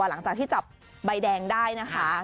หลังจากที่จับใบแดงได้นะคะ